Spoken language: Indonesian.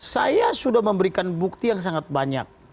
saya sudah memberikan bukti yang sangat banyak